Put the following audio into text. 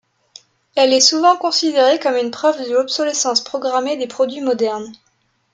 Elle est souvent considérée comme une preuve de l'obsolescence programmée des produits modernes.